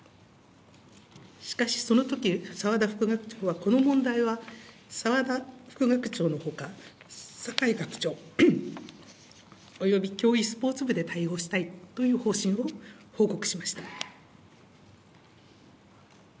しかし、そのとき、澤田副学長はこの問題は澤田副学長のほか、酒井学長、および競技スポーツ部で対応したいという方針を報告しました。